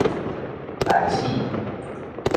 大暑